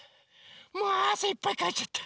もうあせいっぱいかいちゃった。